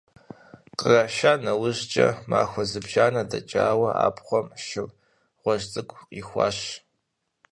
Къраша нэужькӀэ, махуэ зыбжанэ дэкӀауэ, абгъуэм шыр гъуэжь цӀыкӀу къихуащ.